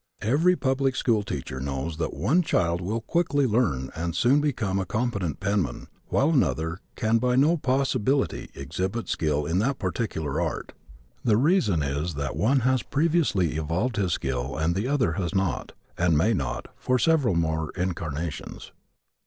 Every public school teacher knows that one child will quickly learn that and soon become a competent penman while another can by no possibility exhibit skill in that particular art. The reason is that one has previously evolved his skill and the other has not, and may not, for several more incarnations.